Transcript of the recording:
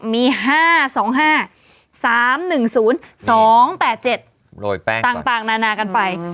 มี๕๒๕๓๑๐๒๘๗ต่างนานากันไป